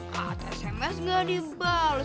kata sms gak dibalas